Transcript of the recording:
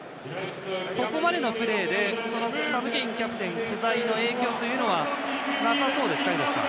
ここまでのプレーでサム・ケインキャプテン不在の影響はなさそうですか？